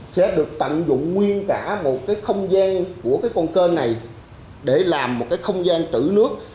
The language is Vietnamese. sẽ được tận dụng nguyên cả một cái không gian của cái con kênh này để làm một cái không gian trữ nước